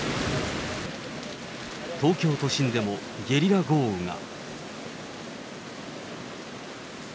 東京都心でもゲリラ豪雨が。